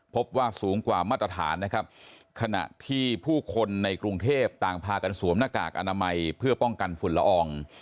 พบว่าสูงกว่ามาตรฐานนะครับขณะที่ผู้คนในกรุงเทพต่างพากันสวมหน้ากากอนามัยเพื่อป้องกันฝุ่นละออง